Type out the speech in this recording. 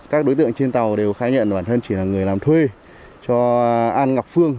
các đối tượng trên tàu đều khai nhận bản thân chỉ là người làm thuê cho an ngọc phương